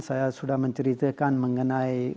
saya sudah menceritakan mengenai